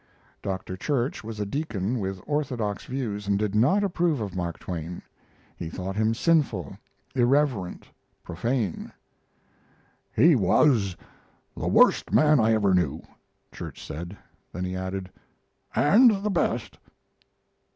Doctor Church was a deacon with orthodox views and did not approve of Mark Twain; he thought him sinful, irreverent, profane. "He was the worst man I ever knew," Church said; then he added, "And the best."